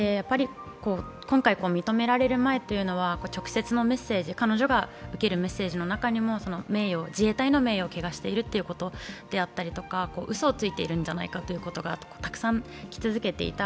今回認められる前というのは直接のメッセージ、彼女が受けるメッセージの中にも自衛隊の名誉を汚しているというこであったりとか、うそをついているんじゃないかということがたくさんき続けていた。